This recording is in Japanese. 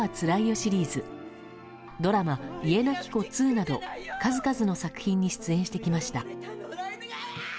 シリーズドラマ「家なき子２」など数々の作品に出演してきました。